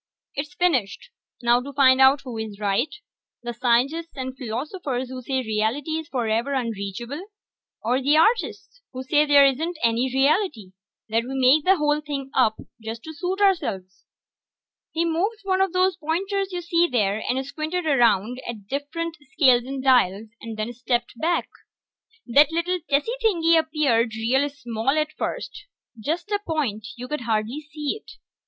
"It's finished. Now to find out who is right, the scientists and philosophers who say reality is forever unreachable, or the artists who say there isn't any reality that we make the whole thing up to suit ourselves." He moved one of those pointers you see there, and squinted around at the different scales and dials, and then stepped back. That little tessy thing appeared, real small at first. Just a point; you could hardly see it.